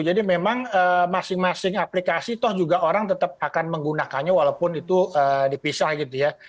jadi memang masing masing aplikasi toh juga orang tetap akan menggunakannya walaupun itu dipisah gitu ya